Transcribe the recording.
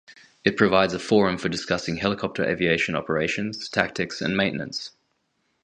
It provides a forum for discussing helicopter aviation operations, tactics, and maintenance.